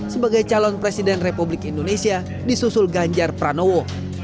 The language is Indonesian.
sebagai calon presiden republik indonesia di susul ganjar pranowo